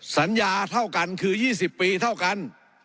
สัญญาเท่ากันคือ๒๐ปีเท่ากัน